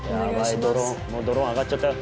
ドローン上がっちゃったよ。